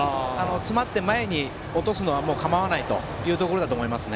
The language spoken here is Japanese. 詰まって前に落とすのは構わないところだと思います。